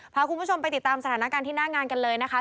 พาคุณผู้ชมไปติดตามสถานการณ์ที่หน้างานกันเลยนะคะ